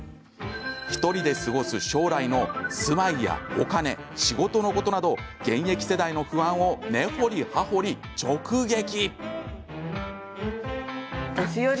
１人で過ごす将来の住まいやお金、仕事のことなど現役世代の不安を根掘り葉掘り直撃。